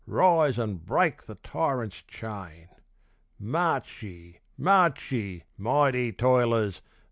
rise and break the tyrant's chain! March ye! march ye! mighty toilers!